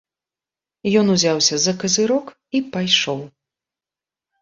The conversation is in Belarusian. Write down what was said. Ён узяўся за казырок і пайшоў.